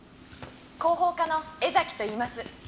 広報課の江崎といいます。